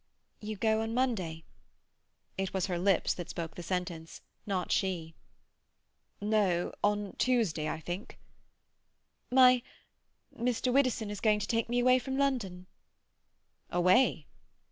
"You go on Monday?" It was her lips spoke the sentence, not she. "No, on Tuesday—I think." "My—Mr. Widdowson is going to take me away from London." "Away?"